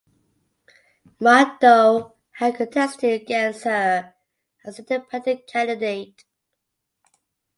Mahto had contested against her as Independent candidate.